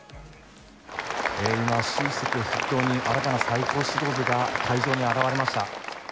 今、習主席を筆頭に、新たな最高指導部が会場に現れました。